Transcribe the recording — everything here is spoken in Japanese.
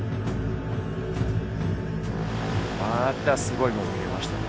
またすごいもん見れましたね。